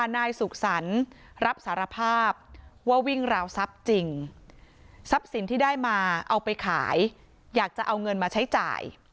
นายสุขสรรค์รับสารภาพว่าวิ่งราวทรัพย์จริงทรัพย์สินที่ได้มาเอาไปขายอยากจะเอาเงินมาใช้จ่าย